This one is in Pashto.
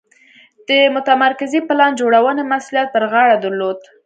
د متمرکزې پلان جوړونې مسوولیت پر غاړه درلود.